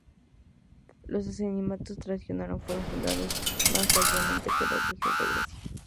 Los asentamientos tracios fueron fundados más tardíamente que los del sur de Grecia.